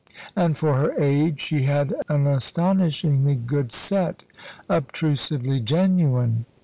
And, for her age, she had an astonishingly good set, obtrusively genuine.